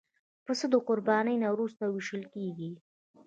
پسه د قربانۍ نه وروسته وېشل کېږي.